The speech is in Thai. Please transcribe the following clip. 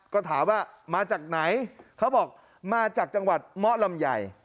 ก็ถามว่ามาจากไหนเขาบอกมาจากจังหวัดเมาะลำไย